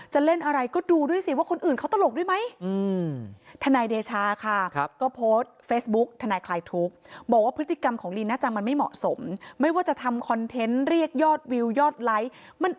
เล่นอะไรก็ดูด้วยสิว่าคนอื่นเขาตลกด้วยไหม